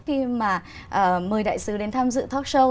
khi mà mời đại sứ đến tham dự talk show